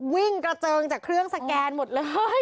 วิ่งกระเจิงจากเครื่องสแกนหมดเลย